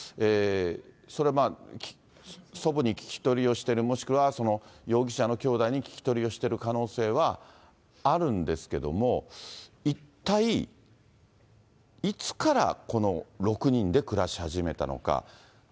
それは祖母に聞き取りをしている、もしくは容疑者のきょうだいに聞き取りをしている可能性はあるんですけども、一体いつからこの６人で暮らし始めたのか。